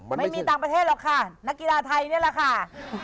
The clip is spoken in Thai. ไม่มีต่างประเทศหรอกค่ะนักกีฬาไทยนี่แหละค่ะ